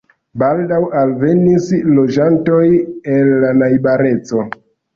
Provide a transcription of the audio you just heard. Baldaŭ alvenis loĝantoj el la najbareco.